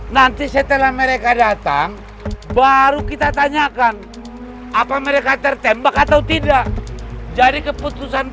nanti setelah mereka datang baru kita tanyakan numerous tertembak atau tidak jadinya keputusan